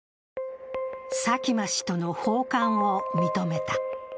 佐喜真氏との訪韓を認めた。